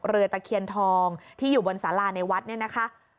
ตะเคียนทองที่อยู่บนสาราในวัดเนี่ยนะคะ